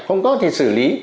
không có thể xử lý